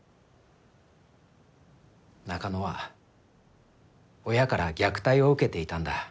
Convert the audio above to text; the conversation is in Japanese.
中野は親から虐待を受けていたんだ。